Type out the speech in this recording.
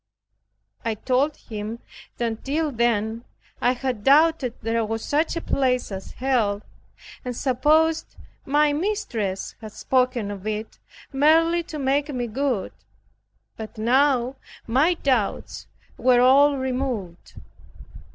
I told him that till then I had doubted there was such a place as Hell, and supposed my mistress had spoken of it merely to make me good, but now my doubts were all removed.